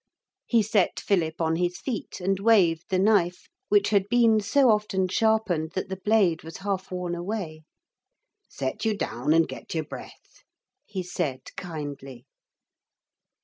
He set Philip on his feet, and waved the knife, which had been so often sharpened that the blade was half worn away. 'Set you down and get your breath,' he said kindly.